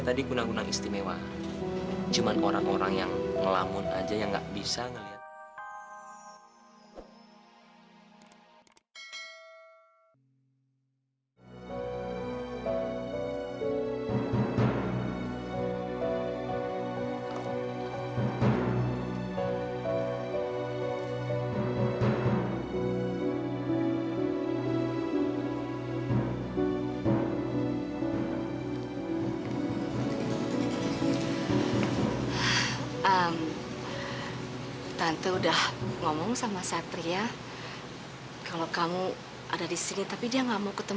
jadi guna guna istimewa cuma orang orang yang melamun aja yang gak bisa ngeliat